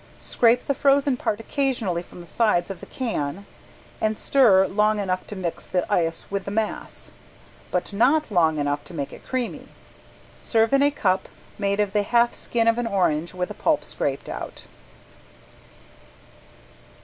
Scrape the frozen part occasionally from the sides of the can and stir long enough to mix the ice with the mass, but not long enough to make it creamy. Serve in a cup made of the half skin of an orange with the pulp scraped out.